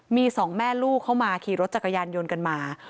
มีสองแม่ลูกเข้ามาขี่รถจักรยานยนต์กันมา